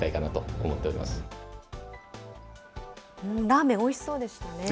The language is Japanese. ラーメン、おいしそうでしたね。